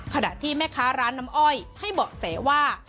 ขณะที่แม่ค้าร้านน้ำอ้อยให้เบาะแสว่า